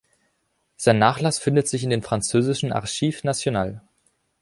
Sein Nachlass findet sich in den französischen Archives nationales.